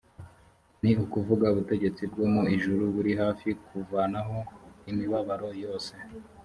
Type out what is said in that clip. ni ukuvuga ubutegetsi bwo mu ijuru buri hafi kuvanaho imibabaro yose.